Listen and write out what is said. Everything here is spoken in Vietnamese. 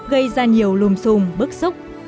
gây ra nhiều lùm xùm bức xúc